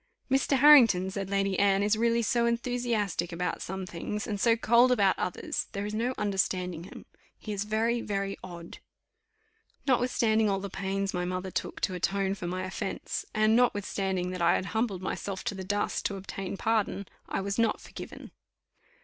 "Mr. Harrington," said Lady Anne, "is really so enthusiastic about some things, and so cold about others, there is no understanding him; he is very, very odd." Notwithstanding all the pains my mother took to atone for my offence, and notwithstanding that I had humbled myself to the dust to obtain pardon, I was not forgiven.